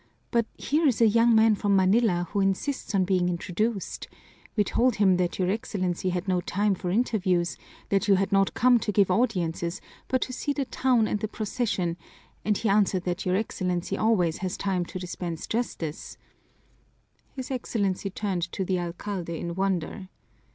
But here is a young man from Manila who insists on being introduced. We told him that your Excellency had no time for interviews, that you had not come to give audiences, but to see the town and the procession, and he answered that your Excellency always has time to dispense justice " His Excellency turned to the alcalde in wonder.